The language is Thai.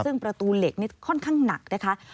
ซึ่งประตูเหล็กนี่ค่อนข้างหนักนะคะ